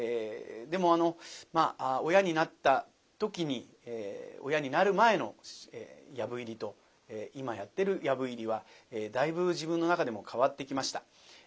でも親になった時に親になる前の「藪入り」と今やってる「藪入り」はだいぶ自分の中でも変わってきました。